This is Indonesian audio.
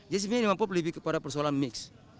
jadi sebenarnya animal pop lebih kepada persoalan mix